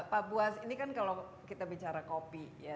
pak buas ini kan kalau kita bicara kopi ya